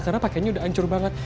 karena pakaiannya udah hancur banget